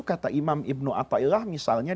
kata imam ibnu ataillah misalnya